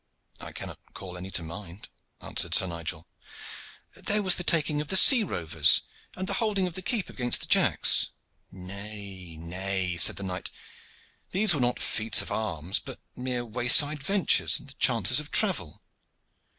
"I cannot call any to mind," answered Sir Nigel. "There was the taking of the sea rovers, and the holding of the keep against the Jacks." "Nay, nay," said the knight, "these were not feats of arms, but mere wayside ventures and the chances of travel.